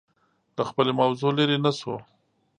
له خپلې موضوع لرې نه شو